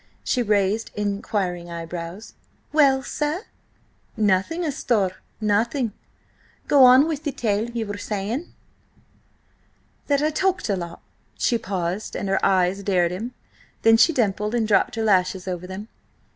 She raised inquiring eyebrows. "Well, sir?" "Nothing, asthore–nothing. Go on with the tale–you were saying—" "That I talked a lot." She paused, and her eyes dared him; then she dimpled and dropped her lashes over them.